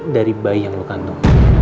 dari bayi yang lu kantong